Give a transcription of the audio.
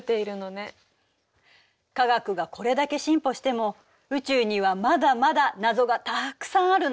科学がこれだけ進歩しても宇宙にはまだまだ謎がたくさんあるの。